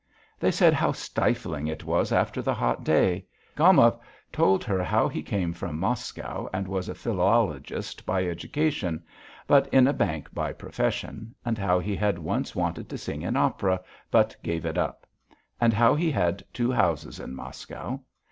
They said how stifling it was after the hot day. Gomov told her how he came from Moscow and was a philologist by education, but in a bank by profession; and how he had once wanted to sing in opera, but gave it up; and how he had two houses in Moscow....